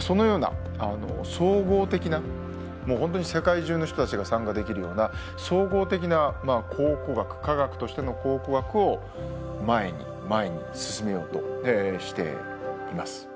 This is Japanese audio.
そのような総合的な本当に世界中の人たちが参加できるような総合的な考古学科学としての考古学を前に前に進めようとしています。